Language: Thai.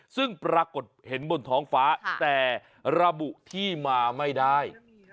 ซึ่งปรากฏเห็นบนท้องฟ้าแต่ระบุที่มาไม่ได้